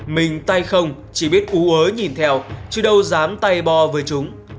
mình tay không chỉ biết ú ớ nhìn theo chứ đâu dám tay bo với chúng